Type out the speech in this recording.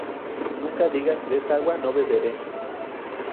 Nunca digas de esta agua no beberé